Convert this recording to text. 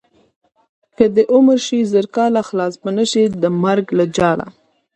که دې عمر شي زر کاله خلاص به نشې د مرګ له جاله.